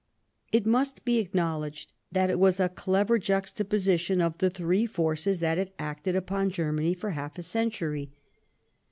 It must be acknowledged that it was a clever jux taposition of the three forces that had acted upon Germany for half a century.